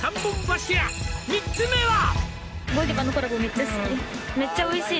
「３つ目は」